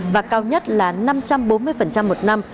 và cao nhất là năm trăm bốn mươi một năm